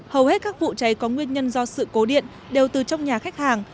hầu hết các vụ cháy có nguyên nhân do sự cố điện đều từ trong nhà khách hàng